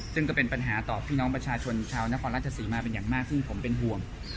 ซึ่งก็เป็นปัญหาต่อพี่น้องประชาชนชาวนครราชศรีมาเป็นอย่างมากซึ่งผมเป็นห่วง